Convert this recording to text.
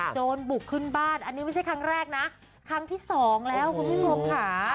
โจรบุกขึ้นบ้านอันนี้ไม่ใช่ครั้งแรกนะครั้งที่สองแล้วคุณผู้ชมค่ะ